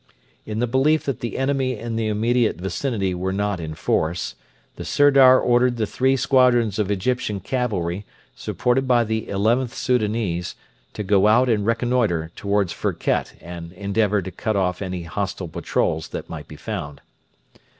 In the belief that the enemy in the immediate vicinity were not in force, the Sirdar ordered the three squadrons of Egyptian cavalry, supported by the XIth Soudanese, to go out and reconnoitre towards Firket and endeavour to cut off any hostile patrols that might be found.